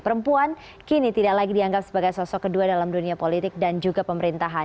perempuan kini tidak lagi dianggap sebagai sosok kedua dalam dunia politik dan juga pemerintahan